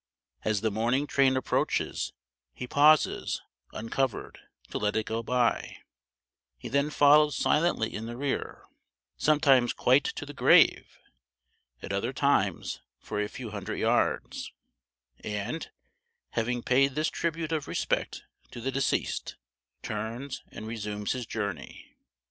As the mourning train approaches he pauses, uncovered, to let it go by; he then follows silently in the rear; sometimes quite to the grave, at other times for a few hundred yards, and, having paid this tribute of respect to the deceased, turns and resumes his journey.